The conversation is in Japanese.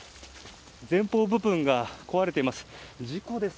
前方部分が壊れています。